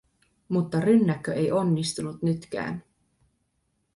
Mutta rynnäkkö ei onnistunut nytkään.